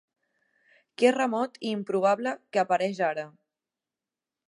Que remot i improbable que apareix ara